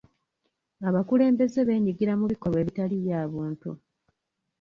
Abakulembeze beenyigira mu bikolwa ebitali bya buntu.